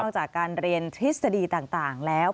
จากการเรียนทฤษฎีต่างแล้ว